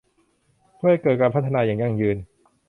เพื่อให้เกิดการพัฒนาอย่างยั่งยืน